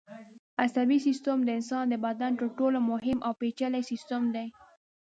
عصبي سیستم د انسان د بدن تر ټولو مهم او پېچلی سیستم دی.